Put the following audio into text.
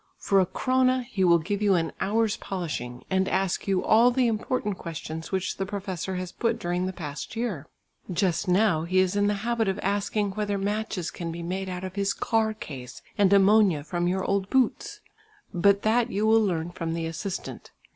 "For a krona he will give you an hour's polishing, and ask you all the important questions which the professor has put during the past year. Just now he is in the habit of asking whether matches can be made out of his carcase and ammonia from your old boots. But that you will learn from the assistant.